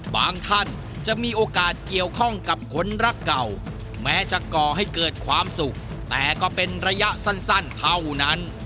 ท่านจะมีโอกาสเกี่ยวข้องกับคนรักเก่าแม้จะก่อให้เกิดความสุขแต่ก็เป็นระยะสั้นเท่านั้น